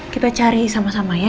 kita cari sama sama ya